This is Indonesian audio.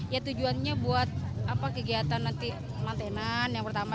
ya tujuannya buat kegiatan nanti mantenan yang pertama